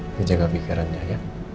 jangan jauh pikiran aja ya